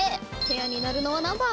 ペアになるのは何番？